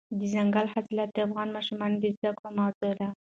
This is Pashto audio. دځنګل حاصلات د افغان ماشومانو د زده کړې موضوع ده.